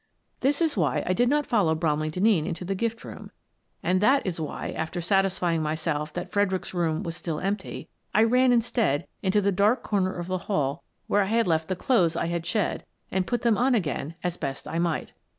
That is why I did not follow Bromley Denneen into the gift room, and that is why, after satisfy ing myself that Fredericks's room was still empty, I ran instead into the dark corner of the hall where I had left the clothes I had shed, and put them on again as best I might.